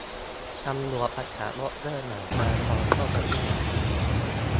ตำรวจประกาศยกเลิกด่านจราจรทั่วประเทศ